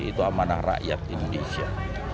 itu amanah rakyat indonesia